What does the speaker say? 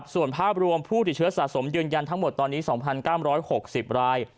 ส่วนภาพรวมผู้ติดเชื้อสะสมยืนยันทั้งหมดตอนนี้๒๙๖๐ราย